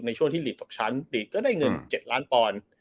ในช่วงที่หลีกตกชั้นหลีกก็ได้เงิน๗ล้านปอนด์